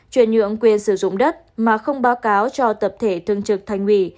chuyển nhượng quyền sử dụng đất mà không báo cáo cho tập thể thương trực thành ủy